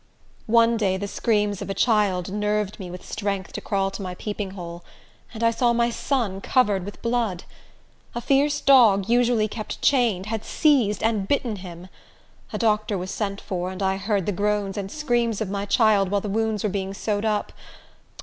One day the screams of a child nerved me with strength to crawl to my peeping hole, and I saw my son covered with blood. A fierce dog, usually kept chained, had seized and bitten him. A doctor was sent for, and I heard the groans and screams of my child while the wounds were being sewed up.